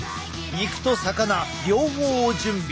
肉と魚両方を準備。